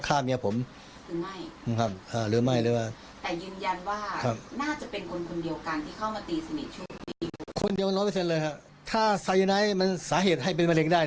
คนเดียว๑๐๐เลยครับถ้าไซโน้ยมันสาเหตุให้เป็นมะเร็งได้เนี่ย